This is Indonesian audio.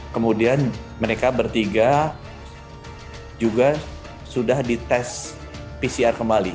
kemudian mereka bertiga juga sudah dites pcr kembali